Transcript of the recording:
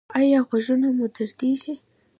ایا غوږونه مو دردیږي؟